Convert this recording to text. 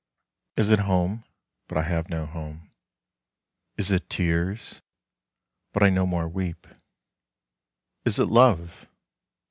Is it home? but I have no home. Is it tears? but I no more weep. Is it love?